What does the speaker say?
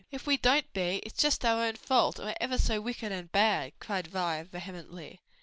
"If we don't be, it's just our own fault, and we're ever so wicked and bad!" cried Vi, vehemently.